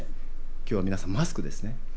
今日は皆さんマスクですね。